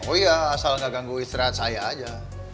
oh iya asal nggak ganggu istirahat saya aja